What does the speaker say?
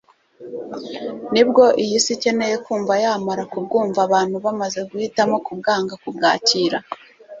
nibwo iy'isi ikeneye kumva yamara kubwumva abantu bamaze guhitamo kubwanga kubwakira